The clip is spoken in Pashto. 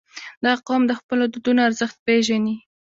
• دا قوم د خپلو دودونو ارزښت پېژني.